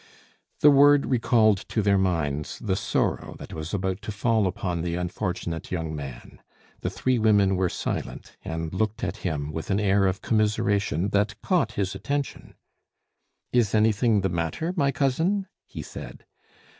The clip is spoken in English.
The word recalled to their minds the sorrow that was about to fall upon the unfortunate young man; the three women were silent, and looked at him with an air of commiseration that caught his attention. "Is anything the matter, my cousin?" he said.